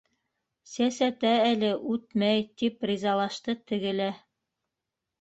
- Сәсәтә әле, үтмәй, - тип ризалашты теге лә.